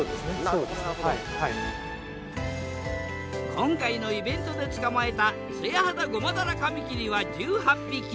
今回のイベントで捕まえたツヤハダゴマダラカミキリは１８匹。